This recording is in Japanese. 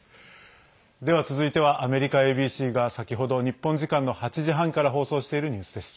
続いては、アメリカＡＢＣが先ほど日本時間の８時半から放送しているニュースです。